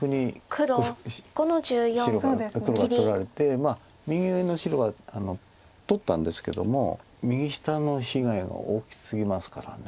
まあ右上の白は取ったんですけども右下の被害が大きすぎますから。